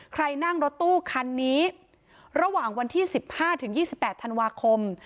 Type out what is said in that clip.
ใครนั่งรถตู้คันนี้ระหว่างวันที่๑๕๒๘ธันวาคม